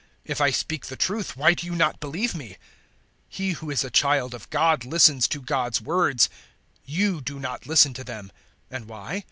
If I speak the truth, why do you not believe me? 008:047 He who is a child of God listens to God's words. You do not listen to them: and why?